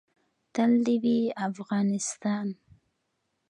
تل دې وي افغانستان